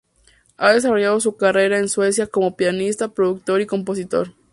Ha desarrollado su carrera en Suecia como pianista, productor y compositor.